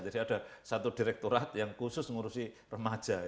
jadi ada satu direkturat yang khusus mengurusi remaja